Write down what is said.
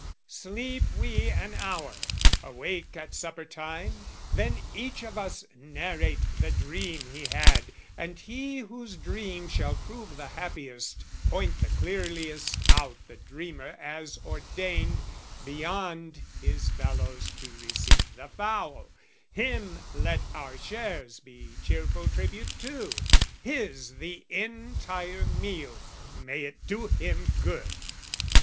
"Sleep we an hour, awake at supper time, "Then each of us narrate the dream he had, "And he whose dream shall prove the happiest, point "The clearliest out the dreamer as ordained "Beyond his fellows to receive the fowl, "Him let our shares be cheerful tribute to, "His the entire meal, may it do him good!"